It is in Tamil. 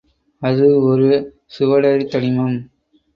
அது ஒரு சுவடறி தனிமம்.